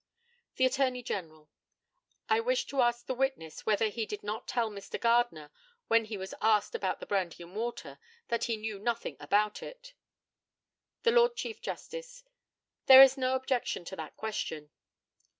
The ATTORNEY GENERAL: I wish to ask the witness whether he did not tell Mr. Gardner, when he was asked about the brandy and water, that he knew nothing about it? The LORD CHIEF JUSTICE: There is no objection to that question.